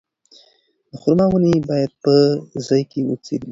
د خورما ونې باید په ځای کې وڅېړل شي.